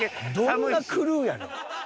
どんなクルーやねん？